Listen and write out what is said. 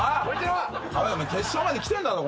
決勝まで来てんだぞ